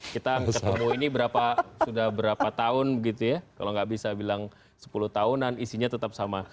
kita ketemu ini sudah berapa tahun begitu ya kalau tidak bisa bilang sepuluh tahun dan isinya tetap sama